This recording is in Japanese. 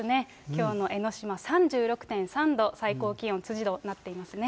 きょうの江の島３６．３度、最高気温、辻堂、なっていますね。